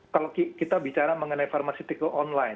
kalau kita bicara mengenai pharmaceutical online